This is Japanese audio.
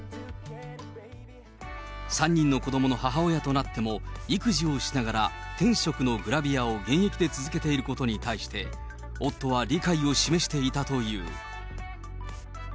３人の子どもの母親となっても、育児をしながら天職のグラビアを現役で続けていることに対して、夫は理解を示していたという。